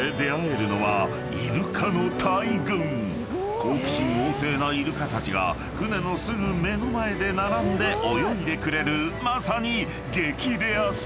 ［好奇心旺盛なイルカたちが船のすぐ目の前で並んで泳いでくれるまさに激レアスポット］